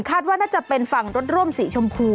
ว่าน่าจะเป็นฝั่งรถร่วมสีชมพู